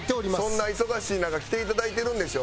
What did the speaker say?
そんな忙しい中来ていただいてるんでしょ？